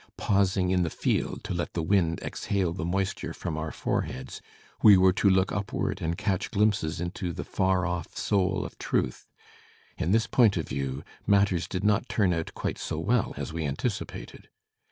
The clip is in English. Pausing in the field, to let the wind exhale the moisture from our foreheads, we were to look upward and catch ghmpses into the far off soul of truth. In this point of view, matters did not tiun out quite so well as we anticipated.